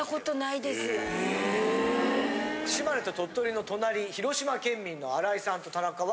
・へぇ・島根と鳥取の隣広島県民の新井さんと田中は？